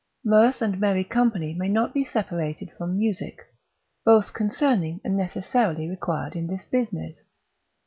Mirth and merry company may not be separated from music, both concerning and necessarily required in this business.